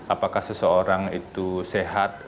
apakah seseorang itu sehat